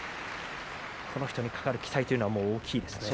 この人にかかる期待は大きいですね。